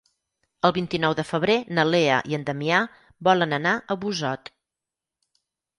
El vint-i-nou de febrer na Lea i en Damià volen anar a Busot.